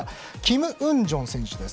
キム・ウンジョン選手。